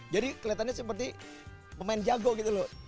jadi kelihatannya seperti pemain jago gitu loh